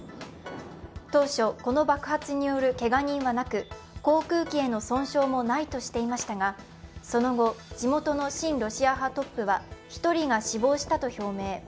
当初、この爆発によるけが人はなく航空機への損傷もないとしていましたがその後、地元の親ロシア派トップは１人が死亡したと表明。